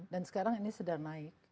dan sekarang ini sedang naik